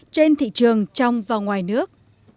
trên thị trường trong và ngoài nước